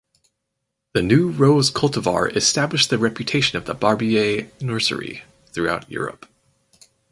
The new rose cultivar established the reputation of the Barbier nursery throughout Europe.